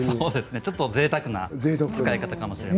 ちょっとぜいたくな使い方かもしれません。